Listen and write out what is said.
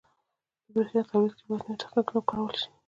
• د برېښنا تولید کې باید نوي تخنیکونه وکارول شي.